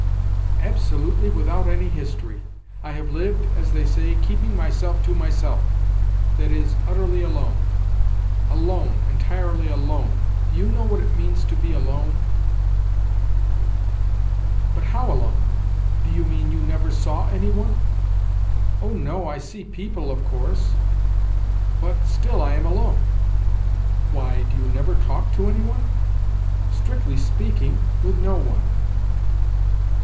" Absolutely without any history ! I have lived, as they say, keeping myself to myself, that is, utterly alone alone, entirely alone. Do you know what it means to be alone ?"" But how alone ? Do you mean you never saw any one ?"" Oh no, I see people, of course ; but still I am alone." " Why, do you never talk to any one ?"" Strictly speaking, withno one."